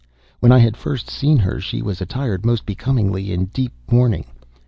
When I had first seen her, she was attired, most becomingly, in deep mourning.